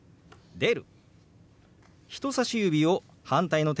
「出る」。